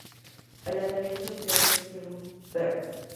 A la derecha un criado sostiene un perro.